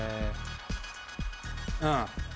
うん。